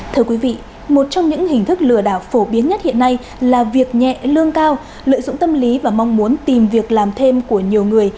thưa quý vị một trong những hình thức lừa đảo phổ biến nhất hiện nay là việc nhẹ lương cao lợi dụng tâm lý và mong muốn tìm việc làm thêm của nhiều người